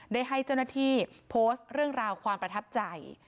ได้ให้เจ้าหน้าที่โพสต์เรื่องราวความประทับใจ